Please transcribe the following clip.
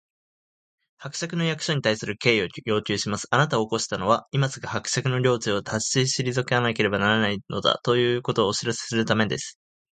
「伯爵の役所に対する敬意を要求します！あなたを起こしたのは、今すぐ伯爵の領地を立ち退かなければならないのだ、ということをお知らせするためです」